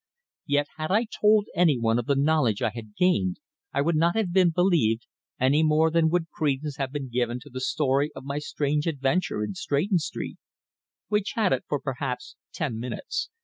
Yet had I told anyone of the knowledge I had gained I would not have been believed, any more than would credence have been given to the story of my strange adventure in Stretton Street. We chatted for perhaps ten minutes.